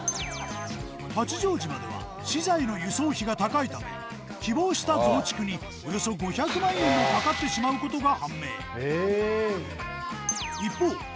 八丈島では資材の輸送費が高いため希望した増築におよそ５００万円もかかってしまうことが判明